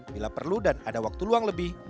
bila perlu dan ada waktu luang lebih